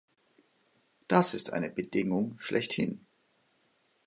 Das ist eine Bedingung schlechthin.